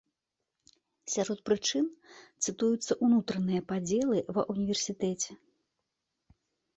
Сярод прычын цытуюцца ўнутраныя падзелы ва ўніверсітэце.